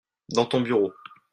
dans ton bureau.